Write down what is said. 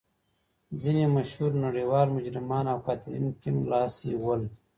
ځینې مشهور نړیوال مجرمان او قاتلین کیڼ لاسي ول.